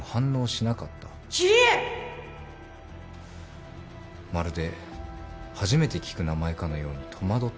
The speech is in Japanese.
まるで初めて聞く名前かのように戸惑ってた。